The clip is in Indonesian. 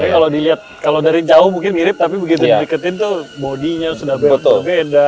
kalau dari jauh mungkin mirip tapi begitu di deketin tuh body nya sudah beda